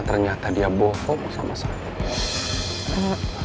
ternyata dia bohong sama saya